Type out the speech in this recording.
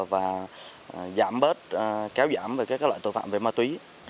và giảm bớt kéo giảm về các loại tội phạm về ma túy